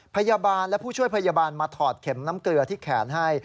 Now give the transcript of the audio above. พยาบาลและผู้ช่วยพยาบาลมาถอดเข็มน้ำเกลือที่แขนให้